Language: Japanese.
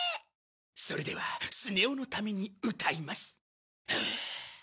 それではスネ夫のために歌います。